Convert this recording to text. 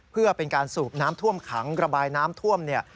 เพื่อเป็นการสูบน้ำท่วมขังระบายน้ำท่วมเนี่ย